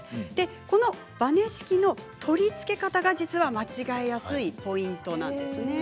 このバネ式の取り付け方が、実は間違いやすいポイントなんです。